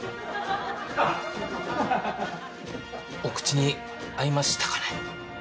お口に合いましたかね？